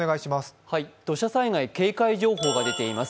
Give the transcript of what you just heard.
土砂災害警戒情報が出ています。